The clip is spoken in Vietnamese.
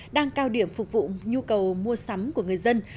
đang cao điểm phục vụ nhu cầu mua sắm của người dân